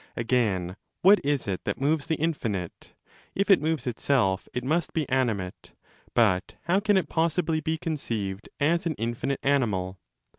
Again, what is it that moves the infinite? If it moves itself, it must be animate. But how can it possibly be conceived as an infinite animal?